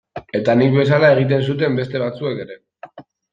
Eta nik bezala egiten zuten beste batzuek ere.